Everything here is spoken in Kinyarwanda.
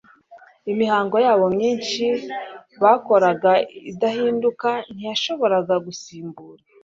Imihango yabo myinshi bakoraga idahinduka ntiyashoboraga gusimbura